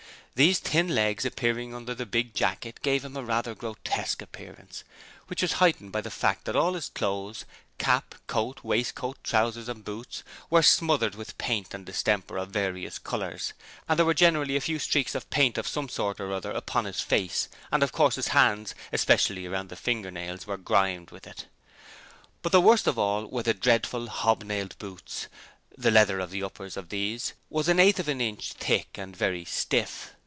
These thin legs appearing under the big jacket gave him a rather grotesque appearance, which was heightened by the fact that all his clothes, cap, coat, waistcoat, trousers and boots, were smothered with paint and distemper of various colours, and there were generally a few streaks of paint of some sort or other upon his face, and of course his hands especially round the fingernails were grimed with it. But the worst of all were the dreadful hobnailed boots: the leather of the uppers of these was an eighth of an inch thick, and very stiff.